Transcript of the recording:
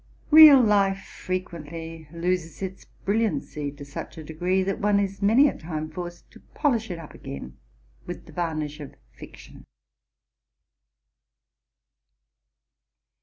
Real life frequently loses its brilliancy to such a degree, that one is many a time forced to polish it up again with the varnish of fiction.